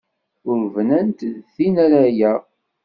Ur bnant d tin ara yaɣ.